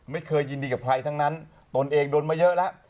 ไม่เคยยินดีกับใครทั้งนั้นตนเองโดนมาเยอะแล้ว